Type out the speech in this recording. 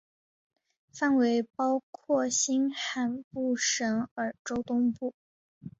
范围包括新罕布什尔州东部。